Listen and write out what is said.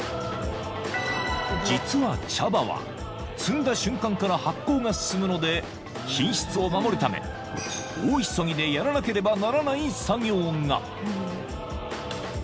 ［実は茶葉は摘んだ瞬間から発酵が進むので品質を守るため大急ぎでやらなければならない作業が］